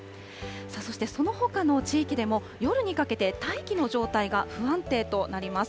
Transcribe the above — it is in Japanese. そしてそのほかの地域でも、夜にかけて大気の状態が不安定となります。